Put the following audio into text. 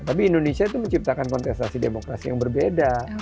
tapi indonesia itu menciptakan kontestasi demokrasi yang berbeda